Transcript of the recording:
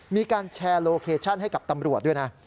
มีการแชร์โลเคชั่นให้กับตำรวจด้วยนะ